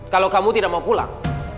kalau kamu tidak mau pulang